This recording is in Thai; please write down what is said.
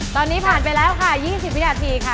ตอนนี้ผ่านไปแล้วค่ะ๒๐วินาทีค่ะ